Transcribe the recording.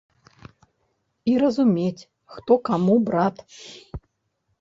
І разумець, хто каму брат.